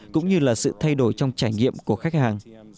cũng như là sự thay đổi trong trải nghiệm của khách hàng